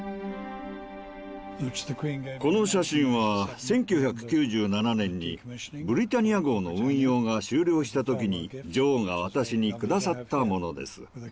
この写真は１９９７年にブリタニア号の運用が終了した時に女王が私に下さったものです。